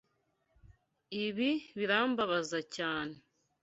Ibi birambabaza cyane.